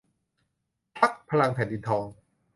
พรรคพลังแผ่นดินทอง